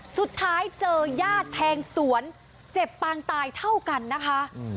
สุดท้ายเจอญาติแทงสวนเจ็บปางตายเท่ากันนะคะ